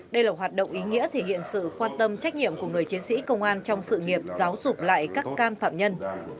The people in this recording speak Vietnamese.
đây là hoạt động ý nghĩa thể hiện sự quan tâm trách nhiệm của người chiến sĩ công an trong sự nghiệp giáo dục lại các can phạm nhân